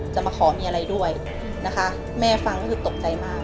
จะมาขอมีอะไรด้วยนะคะแม่ฟังก็คือตกใจมาก